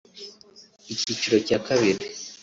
Icyiciro cya Kabiri